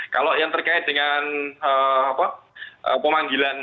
kalau yang terkait dengan pemanggilan